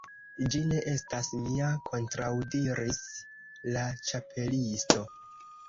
"Ĝi ne estas mia," kontraŭdiris la Ĉapelisto.